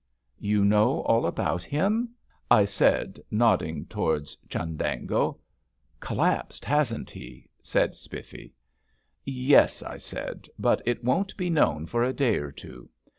"You know all about him?" I said, nodding towards Chundango. "Collapsed, hasn't he?" said Spiffy. "Yes," I said, "but it won't be known for a day or two.